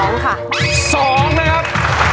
๒นะครับ